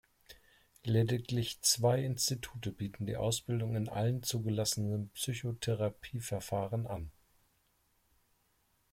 Lediglich zwei Institute bieten die Ausbildung in allen zugelassenen Psychotherapieverfahren an.